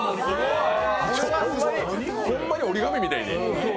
ホンマに折り紙みたいに。